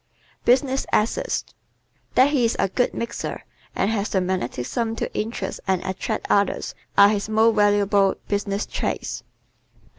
Business Assets ¶ That he is a "good mixer" and has the magnetism to interest and attract others are his most valuable business traits.